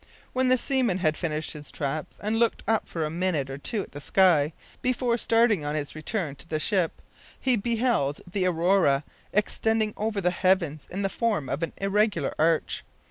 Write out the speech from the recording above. When the seaman had finished his traps, and looked up for a minute or two at the sky, before starting on his return to the ship, he beheld the Aurora extending over the heavens in the form of an irregular arch.